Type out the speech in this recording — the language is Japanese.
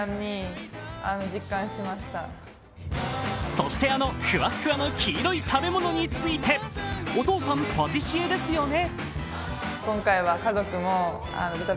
そして、あのふわっふわの黄色い食べ物について、お父さん、パティシエですよね。